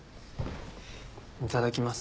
いただきます。